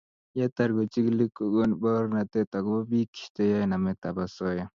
Yetar kochigili kokon baornatet agobo bik cheyoei nametab osoya